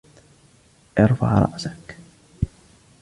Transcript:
ارفع رأسك.